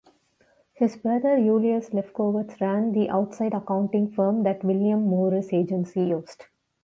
His brother Julius Lefkowitz ran the outside accounting firm that William Morris agency used.